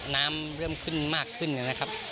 น้ำเริ่มขึ้นมากขึ้นนะครับ